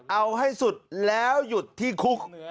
เอาให้สุดแล้วหยุดที่คุก